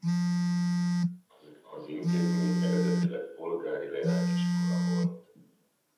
Az intézmény eredetileg polgári leányiskola volt.